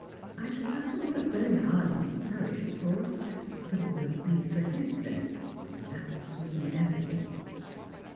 I shall have to work very hard in his parish, of course, but it will be for his sake, and that will sweeten everything."